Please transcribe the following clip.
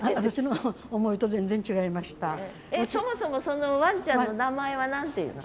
えっそもそもそのワンちゃんの名前は何ていうの？